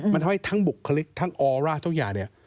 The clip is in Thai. มันทำให้ทั้งบุคลิกทั้งออร่าทุกอย่างเนี่ย